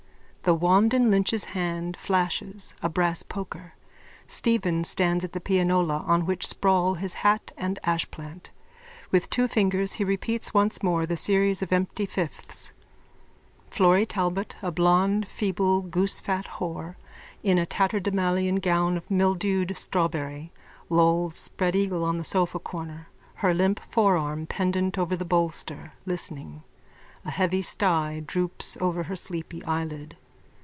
_(The wand in Lynch's hand flashes: a brass poker. Stephen stands at the pianola on which sprawl his hat and ashplant. With two fingers he repeats once more the series of empty fifths. Florry Talbot, a blond feeble goosefat whore in a tatterdemalion gown of mildewed strawberry, lolls spreadeagle in the sofacorner, her limp forearm pendent over the bolster, listening. A heavy stye droops over her sleepy eyelid.)